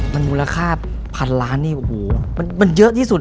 มันมูลค่าพันล้านมันเยอะที่สุด